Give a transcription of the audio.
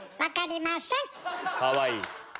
かわいい。